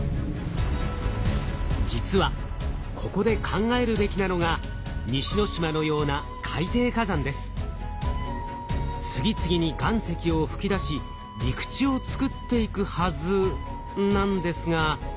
実はここで考えるべきなのが西之島のような次々に岩石を噴き出し陸地をつくっていくはずなんですが。